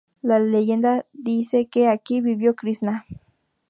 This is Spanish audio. La leyenda dice que aquí vivió Krisná.